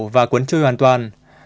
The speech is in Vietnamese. và cuốn trôi hoàn toàn